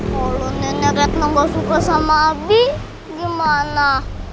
kalau nenek retno gak suka sama abi gimana